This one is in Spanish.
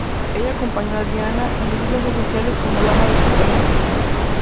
Ella acompañó a Diana en visitas oficiales como dama de compañía.